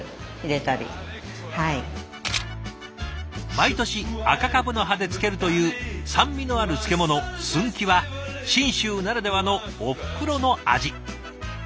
毎年赤かぶの葉で漬けるという酸味のある漬物すんきは信州ならではのおふくろの味。